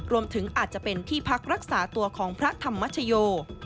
รวมถึงอาจจะเป็นที่พักรักษาตัวของพระธรรมชโย